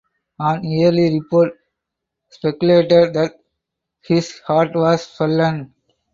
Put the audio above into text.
An early report speculated that his heart was swollen.